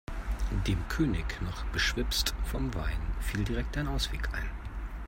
Dem König, noch beschwipst vom Wein, fiel direkt ein Ausweg ein.